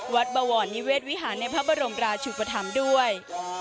บวรนิเวศวิหารในพระบรมราชุปธรรมด้วย